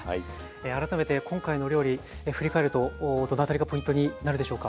改めて今回のお料理振り返るとどのあたりがポイントになるでしょうか？